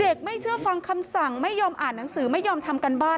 ไม่เชื่อฟังคำสั่งไม่ยอมอ่านหนังสือไม่ยอมทำการบ้าน